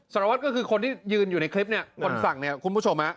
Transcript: สารวัฒน์ก็คือคนนี่ยืนอยู่ในคลิปเนี่ยคนฝั่งคุณผู้ชมนะ